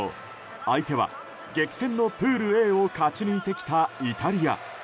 相手は、激戦のプールＡを勝ち抜いてきたイタリア。